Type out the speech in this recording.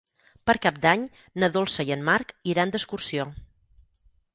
Per Cap d'Any na Dolça i en Marc iran d'excursió.